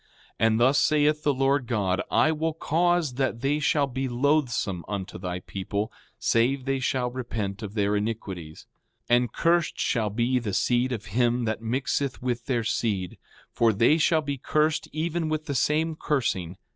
5:22 And thus saith the Lord God: I will cause that they shall be loathsome unto thy people, save they shall repent of their iniquities. 5:23 And cursed shall be the seed of him that mixeth with their seed; for they shall be cursed even with the same cursing.